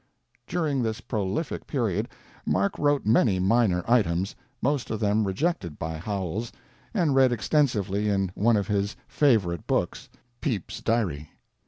During this prolific period Mark wrote many minor items, most of them rejected by Howells, and read extensively in one of his favorite books, Pepys' Diary.